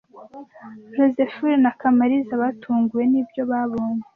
Josehl na Kamariza batunguwe nibyo babonye.